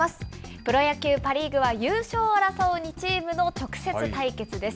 プロ野球、パ・リーグは優勝を争う２チームの直接対決です。